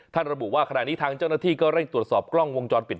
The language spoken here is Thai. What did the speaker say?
ระบุว่าขณะนี้ทางเจ้าหน้าที่ก็เร่งตรวจสอบกล้องวงจรปิด